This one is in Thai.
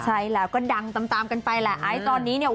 ใช่แล้วก็ดังตามกันไปไอดอลตอนนี้เนี่ย